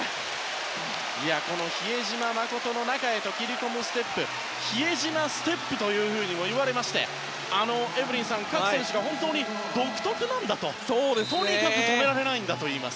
比江島慎の中へと切り込むステップは比江島ステップともいわれましてエブリンさん、各選手が本当に独特なんだととにかく止められないんだといいます。